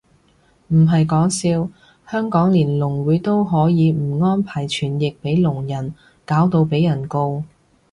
唔係講笑，香港連聾會都可以唔安排傳譯俾聾人，搞到被人告